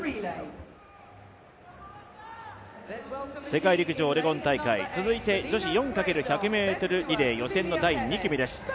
世界陸上オレゴン大会、続いて女子４×１００ｍリレー予選の第２組です。